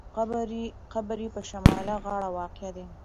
قبر یې په شمالي غاړه واقع دی.